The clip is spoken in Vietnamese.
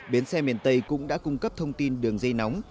bến xe miền tây cũng đã cung cấp thông tin đường dây nóng